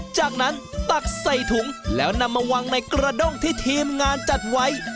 จากนั้นตักใส่ถุงแล้วนำมาวางในกระด้งที่ทีมงานจัดไว้